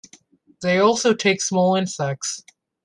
They also take small insects.